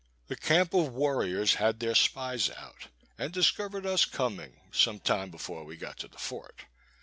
The camp of warriors had their spies out, and discovered us coming, some time before we got to the fort.